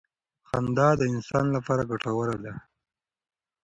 خندا د انسان لپاره ګټوره ده.